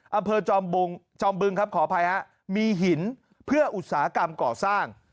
อำเภอจอมบึงครับขออภัยฮะมีหินเพื่ออุตสาหกรรมก่อสร้าง